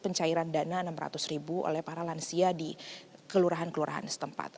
pencairan dana rp enam ratus ribu oleh para lansia di kelurahan kelurahan setempat